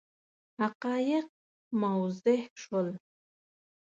حقایق موضح شول.